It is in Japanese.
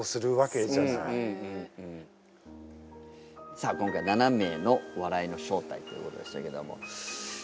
さあ今回７名の笑いの正体ということでしたけども。